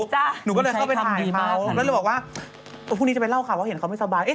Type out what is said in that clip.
พวกนี้จะไปเล่าค่ะเพราะเขาเห็นว่าเค้าไม่สะบาย